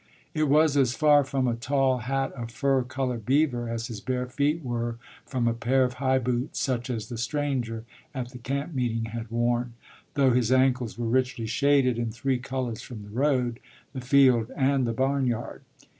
It was as far from a tall hat of fur colored beaver as his bare feet were from a pair of high boots such as the stranger at the camp meeting had worn, though his ankles were richly shaded in three colors from the road, the field, and the barnyard.